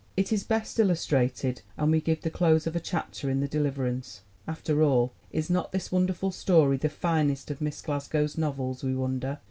It is best illustrated, and we give the close of a chapter in The Deliverance after all, is not this wonderful story the finest of Miss Glasgow's novels, we wonder?